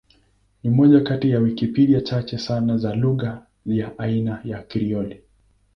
Ni moja kati ya Wikipedia chache sana za lugha ya aina ya Krioli.